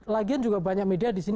lagian juga banyak media disini